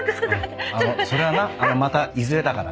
それはなまたいずれだから。